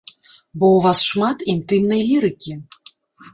Бо ў вас шмат інтымнай лірыкі.